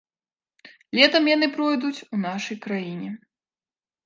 Летам яны пройдуць у нашай краіне.